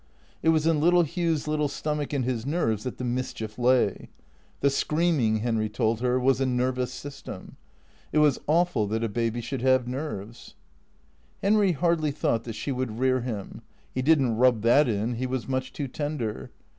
It was in little Hugh's little stomach and his nerves that the mischief lay. The screaming, Henry told her, was a nervous system. It was awful that a baby should have nerves. Henry hardly tliought that she would rear him. He did n't rub that in, he was much too tender.